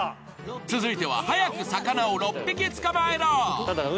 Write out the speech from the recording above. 続いては早く魚を６匹捕まえろ！